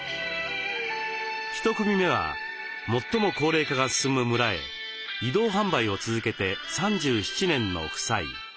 １組目は最も高齢化が進む村へ移動販売を続けて３７年の夫妻。